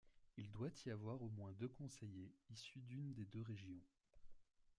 Il doit y avoir au moins deux conseillers issus d'une des deux régions.